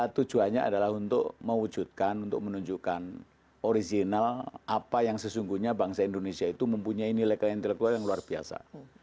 tujuannya adalah untuk mewujudkan untuk menunjukkan original apa yang sesungguhnya bangsa indonesia itu mempunyai nilai keintelektual yang luar biasa